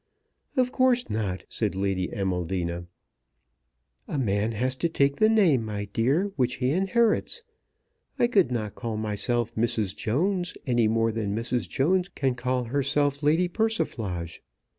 "Of course not," said Lady Amaldina. "A man has to take the name, my dear, which he inherits. I could not call myself Mrs. Jones any more than Mrs. Jones can call herself Lady Persiflage.